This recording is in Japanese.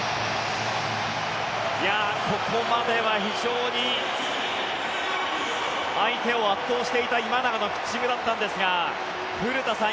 ここまでは非常に相手を圧倒していた今永のピッチングだったんですが古田さん